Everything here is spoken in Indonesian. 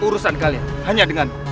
urusan kalian hanya dengan